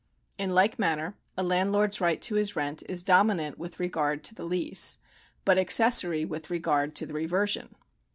In like manner a landlord's right to his rent is domi nant with regard to the lease, but accessory with regard to the reversion.